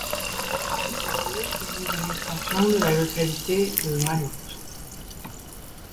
Ce faubourg est né d'une extension de la localité de Vranić.